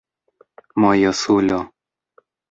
mojosulo